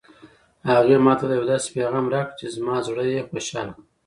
هغې ما ته یو داسې پېغام راکړ چې زما زړه یې خوشحاله کړ